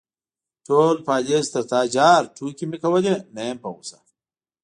_ټول پالېز تر تا جار، ټوکې مې کولې، نه يم په غوسه.